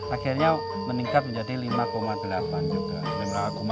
akhirnya meningkat menjadi lima delapan juga